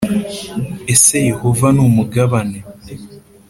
Ese yehova ni umugabane